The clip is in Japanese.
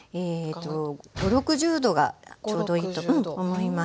５０６０度がちょうどいいと思います。